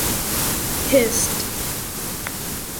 Hist.